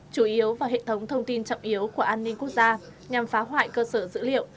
chủ yếu vào hệ thống thông tin trọng yếu của an ninh quốc gia nhằm phá hoại cơ sở dữ liệu